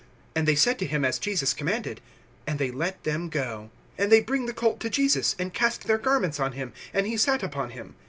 (6)And they said to them as Jesus commanded; and they let them go. (7)And they bring the colt to Jesus, and cast their garments on him; and he sat upon him.